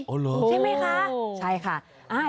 โอ้โหใช่ไหมคะใช่ค่ะ